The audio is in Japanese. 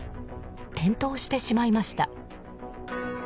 転倒してしまいました。